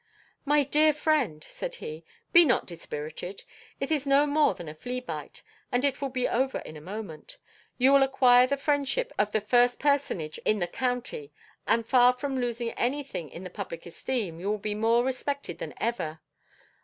"My dear friend," said he, "be not dispirited. It is no more than a flea bite, and it will be over in a moment. You will acquire the friendship of the first personage in the county, and far from losing any thing in the public esteem, you will be more respected than ever."